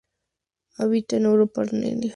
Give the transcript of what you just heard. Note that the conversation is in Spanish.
Habita en Europa, Argelia y las islas Canarias.